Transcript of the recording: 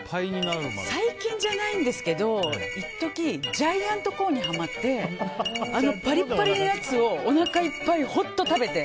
最近じゃないんですけど一時ジャイアントコーンにはまってパリパリのやつをおなかいっぱい本当食べて。